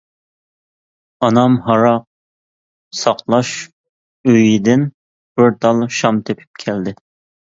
ئانام ھاراق ساقلاش ئۆيىدىن بىر تال شام تېپىپ كەلدى.